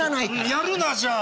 やるなじゃあ。